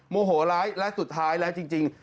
โมโหร้ายและสุดท้ายแล้วจริง